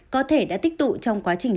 có thể đã tích tụ trong quá trình